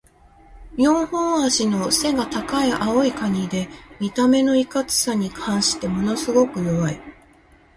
四本脚の背が高い青いカニで、見た目のいかつさに反してものすごく弱い。